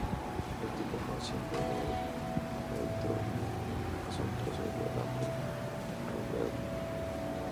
El tipo más simple de electroimán es un trozo de alambre enrollado.